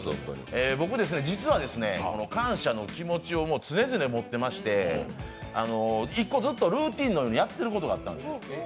僕、実は、感謝の気持ちを常々持ってまして１個、ずっとルーティンのようにやってることがあったんです。